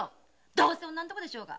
どうせ女のとこでしょうが。